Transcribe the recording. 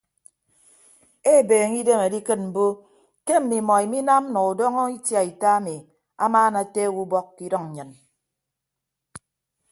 Ebeeñe idem adikịt mbo ke mmimọ iminam nọ udọñọ itiaita ami amaana ateek ubọk ke idʌñ nnyịn.